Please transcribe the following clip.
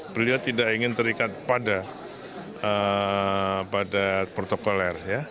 beliau tidak ingin terikat pada protokoler